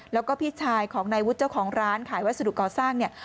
แล้วก็พี่ชายของนายวุฒิเจ้าของร้านขายวัสดุก่อสร้างเนี่ย